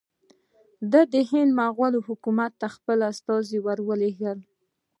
ده د هند مغولي حکومت ته خپل استازي ور ولېږل.